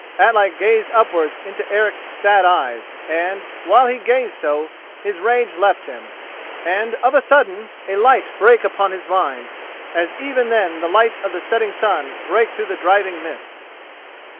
Atli gazed upwards into Eric's sad eyes and, while he gazed so, his rage left him, and of a sudden a light brake upon his mind, as even then the light of the setting sun brake through the driving mist.